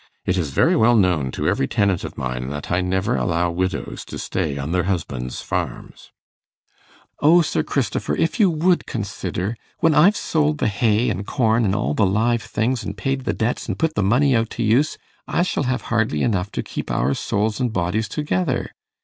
It is very well known to every tenant of mine that I never allow widows to stay on their husbands' farms.' 'O, Sir Christifer, if you would consider when I've sold the hay, an' corn, an' all the live things, an' paid the debts, an' put the money out to use, I shall have hardly enough to keep our souls an' bodies together.